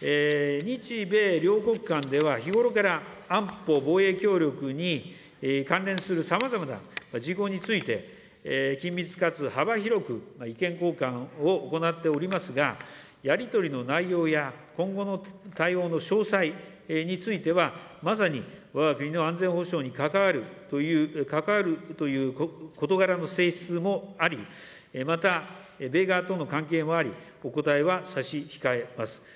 日米両国間では日頃から安保防衛協力に関連するさまざまな事項について、緊密かつ幅広く意見交換を行っておりますが、やり取りの内容や今後の対応の詳細については、まさにわが国の安全保障に関わるという事柄の性質もあり、また、米側との関係もあり、お答えは差し控えます。